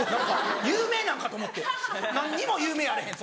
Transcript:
有名なんかと思って何にも有名やあれへん